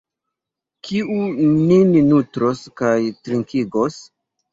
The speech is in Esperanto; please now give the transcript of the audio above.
Kiu nin nutros kaj trinkigos?